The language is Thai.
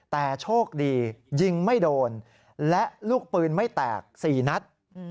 แต่โชคดียิงไม่โดนและลูกปืนไม่แตก๔นัด